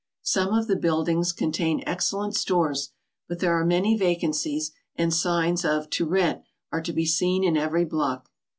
Some of the buildings contain ex cellent stores, but there are many vacancies, and signs of "To Rent" are to be seen in every block.